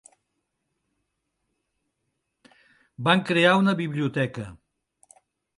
Van crear una biblioteca.